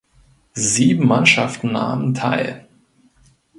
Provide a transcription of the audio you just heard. Sieben Mannschaften nahmen teil.